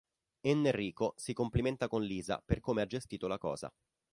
Enrico si complimenta con Lisa per come ha gestito la cosa.